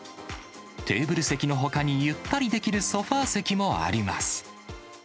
テーブル席のほかに、ゆったりできるソファー席もあります。